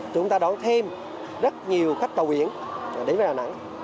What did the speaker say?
chúng ta đón thêm rất nhiều khách cầu biển đến đà nẵng